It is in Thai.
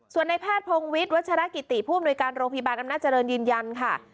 ส่วนในแพทย์พงวิทย์วัชรกิติผู้อำนวยการโรงพยาบาลอำนาจริงยืนยันค่ะ